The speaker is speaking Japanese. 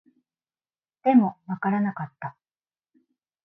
でも、わからなかった